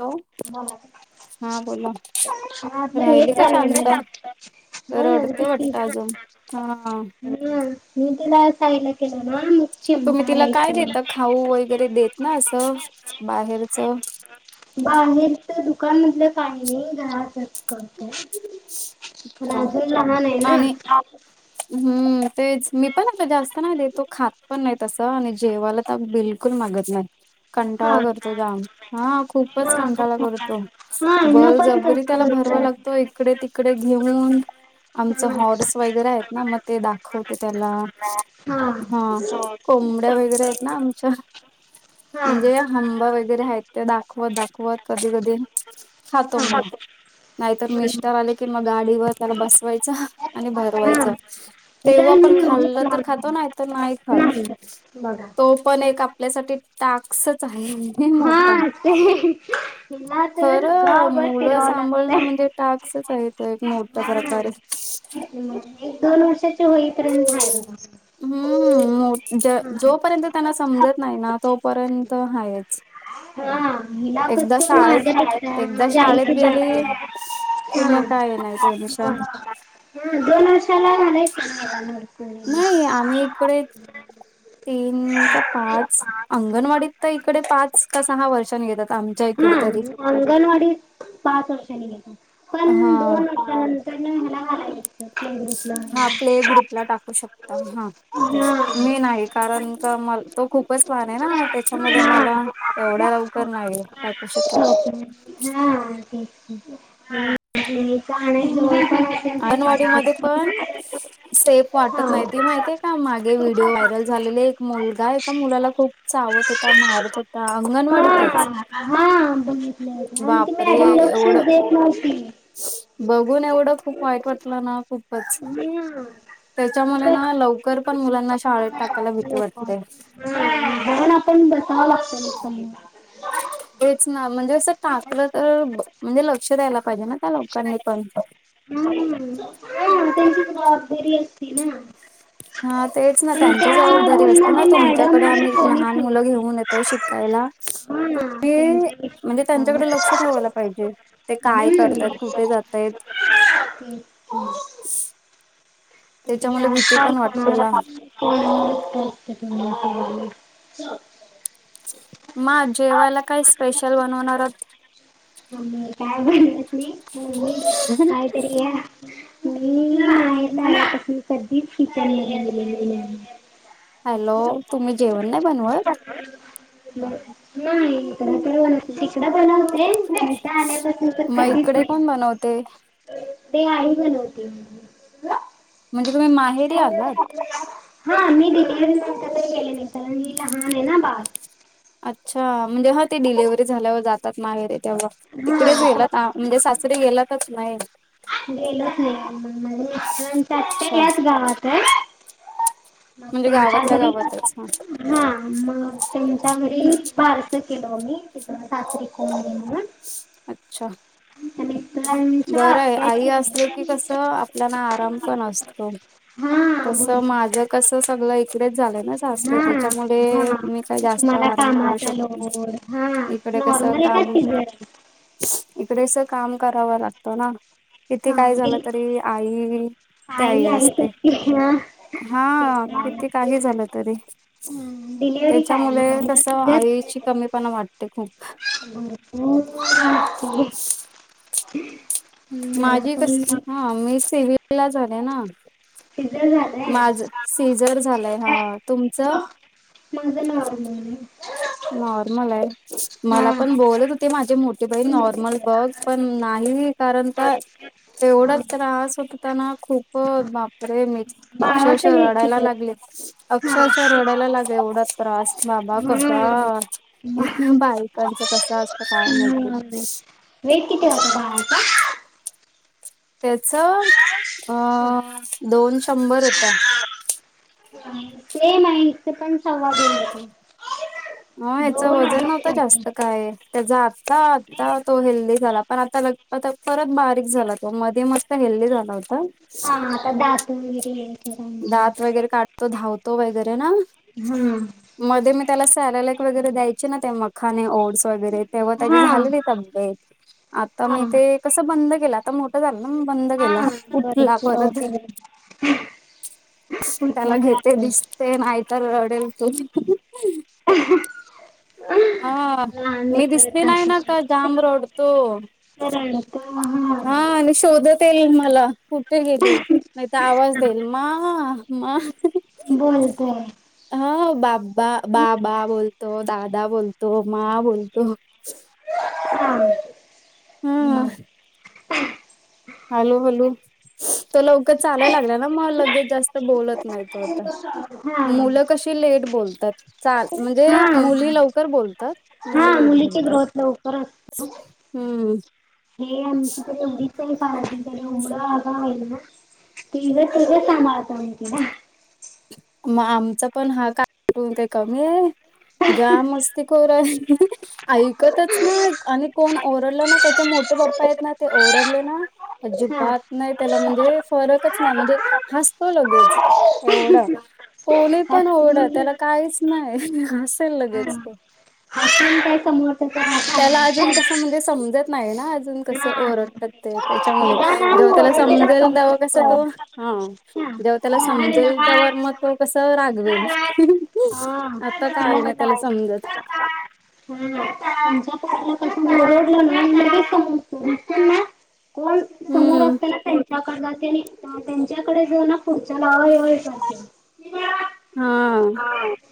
Hello हम हा बोला हम हम्म हेच राहिली का चाल आहे शांत ना..... हम्म रडते अजून वाटत.... हा हम्म मी तिला केलो ना मग.... तुम्ही चिमटा तिला काय द्यायचं. देता खाऊ वगैरे देता असं बाहेरच..... [unintelligible] बाहेरच दुकानमधलं काही घरातच करतो..... हिन का? अजून लहान आहे ना.... आणि हम्म तेच..... मी पण आता जास्त नाही देतो खात पण नाही तस आणि जेवायला तर बिलकुल मागत नाही.... हा कंटाळा करतो जाम हा खूपच हा कंटाळा करतो हा हिन पण बळजबरी तसंच त्याला भरवाव होतंय. लागतो. तो इकडे तिकडे घेऊन आमच हॉर्स वगैरे आहेत ना मग.... ते दाखवते त्याला हा कोंबड्या वगैरे आहेत ना आमच्या.... हा...... खांबा वगैरे आहेत ते दाखवत दाखवत कधी कधी खातो हा मग.... नाही तर हा. मिस्टर आले की मग गाडीवर त्याला बसवायचं हा आणि भरवायचं... तिला तेव्हा मी पण एवढीच खाल्लं तर लावली खातो नाही तर नाही खात..... बघा. तो पण एक आपल्यासाठी टाक्सच आहे हा मोठा.... [unintelligible] हिला तर खरं गाव भर मुलं फिरवाव सांभाळणं लागतय म्हणजे टास्कच आहे तो एक मोठ्या प्रकारे हम्म... एक दोन वर्षाची होई पर्यत हाय बगा.... हम्म.... जो पर्यत त्यांना समजत नाही ना तो पर्यत हायच... हम्म तिला.... माझ्या शाळेत एकदा म्हणजे शाळेत आईची गेली कि मग हम्म काय नाही टेन्शन हम्म दोन वर्षाला घालायच.... नाही आम्ही इकडे तीन का पाच.... अंगणवाडीत तर इकडे पाच का सहा वर्षांनी घेतात आम्ही... हा अंगणवाडी पाच वर्षांनी घेता हा पण दोन.... त्यांतर हला.... ह ह. हा प्ले ग्रुपला टाकू शकता हा. मी नाही कारण का म तो खूपच लान आहे ना त्याच्यामध्ये मला एवढा लवकर नाही. टाकू शकत हो..... हम्म तेच.... अंगवाडी मध्ये पण स्टेप वाटत नाहीत.... ती माहिते का मागे व्हिडिओ व्हायरल झालेले एक मुलगा एका मुलाला खूप चावत होता मारत होता... ह अ. हा हा बघितले आणि तु्ही बापरे अजून लोक एवढं देत नव्हती. बघून एवढं खूप वाईट वाटलं ना खूपच हा त्याच्यामुळे बघ ना लवकर पण मुलांना शाळेत टाकायला भीती वाटते. म्हण आपण बसावं लाक्ष व हेच ना म्हणजे असं टाकलं तर म्हणजे लक्ष द्यायला पाहिजे ना त्या लोकांनी पण हा हा त्यांची जबाबदारी असते ना. हा तेच ना पण त्या त्यांची जबाबदारी रूम असते मध्ये ना मॅडम तुमच्याकडे वगैरे आम्ही कोणीच लहान मुलं नव्हते. घेऊन येत. शिकायला तु हा त्यांच्या म्हणजे विश्वासावर त्यांच्याकडे लक्ष हम्म. ठेवा लाग. पाहिजे ते काय करताय तेच कुठे जातय की वाटते लहान. [inaudible] मग जेवायला काय स्पेशल बनवणार आहात? ह काय तरी या. नाही नाहीपस कधीच हॅलो तुम्ही जेवण नाही बनवत नाही तर तर शिकिकडा बण होते. इथं आल्यापासून मग इकडे कोण बनवते. काही बनवते म्हणे म्हणजे तुम्ही माहेरी आलात. हा मी दिरी ग केले नाही तरंजी लहान आहे ना बाार अच्छा म्हणजे हा ते डिलेव्हरी झाल्यावर जातात नागैरे तेव्हा तिकडेच गेलात म्हणजे सासरीे गेलातच नाही. गेलच नाहीझणच्या अच्छा याच गावात मग म्हणजे त्यांच्या गावातला घरी गावातच ना. त्यांच्यावर फारस केल मी तिक सासरी कोली. अच्छा. मिस्टरांच्या बरं आहे आई आत्याची असले की कसं आपल्याला आराम पण असतो. हा तस बोल माझ कस सगळ इकडेच झालंय ना हा सास्रे त्याच्यामुळे हा मी काय जास्त तुम्हाला आराम करू कामाचा शकत लोड हा नाही इकडे कस नॉर्मल आहे का काम सिझर इकडेच काम करावं लागतो ना किती हा काय झालं तरी आई. त्याही आई आई असते सुट्टी हा हा ते तर किती आहे काही झालं तरी डिलिव्हरी काय त्याच्यामुळे नॉर्मल तस सिझर आईची कमी पणा वाटते खूप ह् मला पण ह मी सिवल ला झाले ना तिझ झाात माझ सीझर झालंय हा तुमचं माझं नॉर्मल आहे. नॉर्मल आहे मला पण हा बोलत हो. ते माझे मोठे बहीण नॉर्मल बघ पण नाही कारण का? तेवढा त्रास होतताना खूप बापरे म अक्षरश बाळाचं वेट रडायला किती लागले. आहे हा अक्षरशः रडायला लाग एवढा त्रास बाबा कस. हम्म बायकांच कस असत. हम् वेट किती वासता का? त्याच अ दोन शंभर होतां. सेम आहे सेकंड. संवाद [inaudible] ह याच वजन अडीचशे नव्हतं होते. जास्त काय. त्याचा आता-आता तो हेल्दी झाला, पण आता लग परत बारीक झाला त मध्ये म हेल्दी जातात. हा आता [inaudible] गेली. दात वगैरे काढतो, धावतो वगैरे ना. हम्म. मध्ये मी त्याला सॅरलेक वगैरे द्यायचे ना, ते मखाने ओट वगैरे, तेव्हा त्या हा. झालेली तब्येत आता हा मी ते कस बंद केला. आता मोठं झालं ना, म बंद केलं उठला परत. हम. त्याला घेते, दिसते नाही तर रडेल तो. अहू. हा मी दिसते नाही ना असंच तर, असतं. जाम रोडतो. हा आणि शोधत येईल मला कुठे गेली. आवाज देईल म, म. बोलते. हा बाबा-बाबा बोलतो, दादा बोलतो मामा बोलतो. हा. Hello, hello. तो लवकर चालायला लागला ना, मग लगे जास्त बोलत नाही तो आता हा मुल कशी. लेट बोलतात. चाल, म्हणजे मुली लवकर बोलतात, हा मुलं लेट मुलीची बोलतात. ग्रोथ लवकर असते. हम्म. हे आमची तर एवडीच आहे, फार तरी एवढ आला एवढं तिघांच्या-तिघी सांभाळत आम्ही तीला. मग आमचा पण हा कार्टून काय कमी आहे, ज्या मस्ती. कोरा. ऐकतच नाय, आणि कोण ओरडलं ना त्याचे मोठे पप्पा आहेत ना, ते ओरडले ना. हा अजिबात नाही, त्याला म्हणजे फरकच नाही म्हणजे हसतो लगेच. एवढं कोणी पण, ओरडा हसून त्याला काहीच नाही हसेल लगेच तो. हसून काय समोर. त्याला अजून कसं म्हणजे समजत नाही ना, अजून कसं ओरडत ते त्याच्या मुळे, तिला ना जेव्हा त्याला ओरडलेलं समजेल तवा कस समजतं तो. हा हा जेव्हा त्याला हा तिला समजेल, तवर मग तो कस रागवेल. हा आता काय, ना त्याला समजत. हम्म. [unintelligible] हम्म. मग तेनी, त्यांच्याकडे जो ना पुढच्या लावावाय. [inaudible] हा.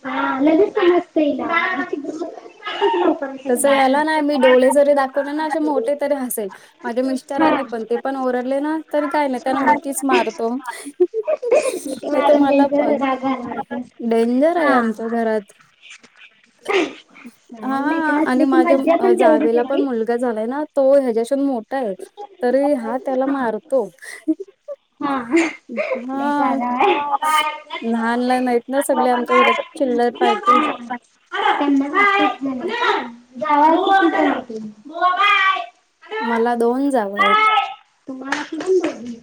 हा लगेच समजतय. [inaudible] लवकर तस याला ना, मी डोळे जरी दाखवले ना, असे मोठे तरी हसेल. माझ्या हा मिस्टरांनी पण, ते पण ओरडले ना, तरी काय नाही त्यांना मिठीच मारतो. ह. नाही तर मला. पण राधा-राधा. डेंजर आहे, आमच्या घरात. हा लहान लेकरं आणि असले की मज्जा माझ्या पण तेवढीच जावेला पण मूल येती. गा, झालाय ना, तो ह्याच्याून मोठा आहे, तरी हा त्याला मारतो. हा लय शाणा हाय. लहान लहान आहेत ना सगले आमच्या घरात चिल्लर पार्टी [unintelligible] गावा [unintelligible] मला दोन जावंय येत. तुम्हाला कुटून बघील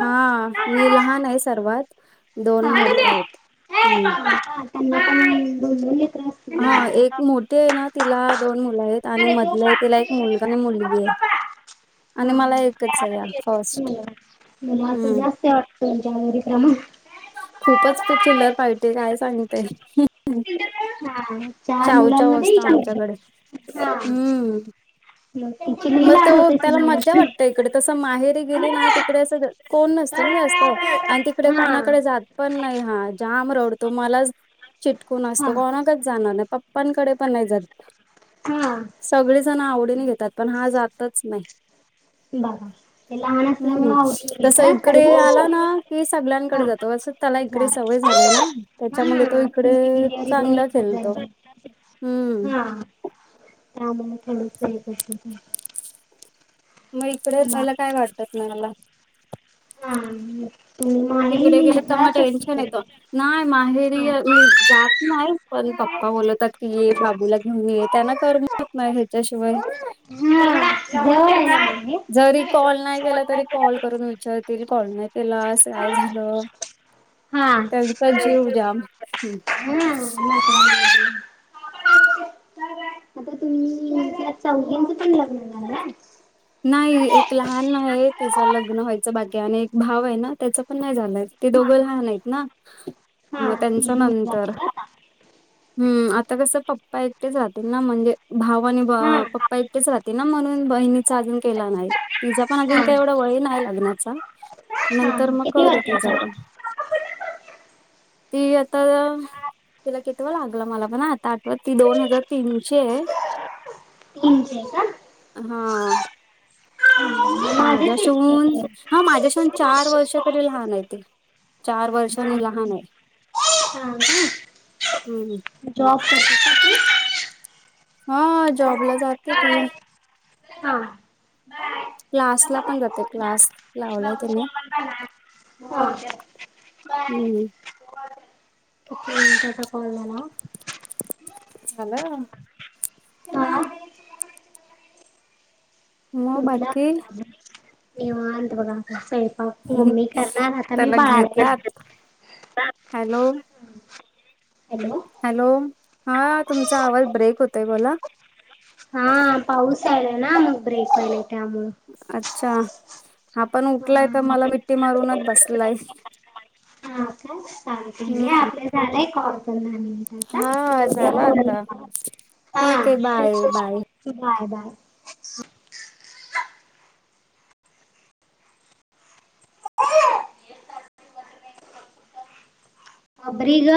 हा मी लहान आहे सर्वात हा दोन हा मोठ हायेत हम्म [unintelligible] त्यांना पण दोन दोन लेकरं हायत. हा एक मोठीे आहे ना तिला दोन मुलं आहेत आणि अरे मधले आहे तिला एक मुलगा न मुलगी आहे. पप्पा हा आणि मं मला एकच आहे या फर्स्ट. [unintelligible] हं. तुलाच [unintelligible] हाय रिकामा खूपच ती चिल्लर पार्टी ये काय सागू ते हा चार चाऊ चाऊ मुलांमध्ये असत एक मुलगी. आमच्याकडे हा हम्म मग तिची लई म तो लाड होत त्याला असेल मज्जा मम्मीची. वाटते. तिकडे तसं माहेरी हा गेली ना तिकडे असं कोण नसत ना जास्त आणि तिकडे कोणा तिकडे जात पण नाही हा जाम रडतो मलाच चिटकून असतो हा कोणाकच जाणार नाय पप्पांकडे पण नाय जात. हा सगळी जण आवडीने घेतात पण हा जातच नाय. बरा हम्म तस इकडे त्यांनी आला ना की सगल्यांकड हा जात तो अस त्याला जा इकडे सवय झाले ना हा त्याच्यामुले तो इकडे त्यांची डिलिव्हरी पण चांगला एकदाच खेलतो. झाली. हा त्यामुल थोडं चईत असत त्याला मग इकडे पयल काय वाटतात नाय मला हा तुम्हा तिकडे गेल का म टेन्शन येत. नाय माहेरी मी जात नाय पण पप्पा बोलवतात ती ये बाबूला घेऊन ये. त्यांना करमत नाय ह्याच्याशिवाय हा जवळ आहे ना जरी माहेर? कॉल नाय केला तरी कॉल करून विचारतील कॉल नाय केलास. काय हा झालं? त्यांचा जीव ज्याम ह हा चौघीचं पण लग्न झालंय. नाही हा एक लहान आहे तिचं लग्न व्हायचं बाकी आणि एक भाव हाय ना त्याचं पण नाय झालंय. ते दोघं लहान आहेत ना हा मग तिघीची झाली नाय का हूं आता कसं पप्पा एकटेच राहतील ना म्हणजे भाव आणि ब पप्पा एकटेच राहतील ना म्हणून बहिणी चा अजून केला नाय तिजा पण अजून हा काय एवढा वय नाय लग्नाचा हा नंतर मग किती करू वर्षाचे तिजा पण आहेत? ती आता तिला कितवा लागला मला पण आता आठवत ती दोन हजार तीन ची ये. [unintelligible] तीन ची ये का हा माझे माझ्या तेच शिवून हा माझ्याशिवून चार वर्ष तरी लहान हाय ती चार वर्षानी लहान आहे. हा काय हम्म जॉब करते का तू? हा जॉबला जाते ती हा. किती क्लासला पण जातय क्लास लावलाय तिने हम्म हूं त्याचा कॉल झाला. झालं मग बाकी त बघाता स्वैंपाक मम्मी करणार आता मी त्याला बाळा घेतलात हॅलो हॅलो. हॅलो हा तुमचा आवाज ब्रेक होतोय बोला हा पाऊस आला ना मग ब्रेक व्हायलय त्यामुळे अच्छा हा पण उठलाय तर हा मला मिट्टी मारूनच बसलाय हा काय चालतंय हे हम्म आपलं झालय कॉल त्यांना हा झाला आता काय ठीक आहे हा बाय बाय बाय बाय अब्रिग